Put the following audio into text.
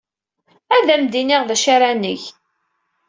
Ad am-d-iniɣ d acu ara neg.